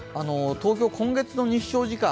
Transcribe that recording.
東京、今月の日照時間